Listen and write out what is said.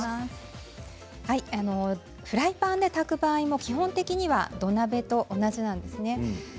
フライパンで炊く場合も基本的には土鍋と同じです。